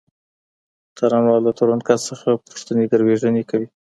څارنوال له تورن کس څخه پوښتني ګروېږنې کوي.